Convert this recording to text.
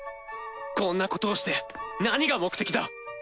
こんなことをして何が目的だ！